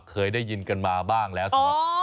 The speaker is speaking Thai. เคยได้ยินกันมาบ้างแล้วสมมุติ